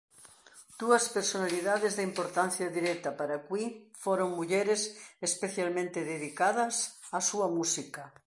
Dúas personalidades de importancia directa para Cui foron mulleres especialmente dedicadas á súa música.